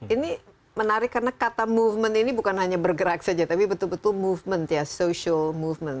ini menarik karena kata movement ini bukan hanya bergerak saja tapi betul betul movement ya social movement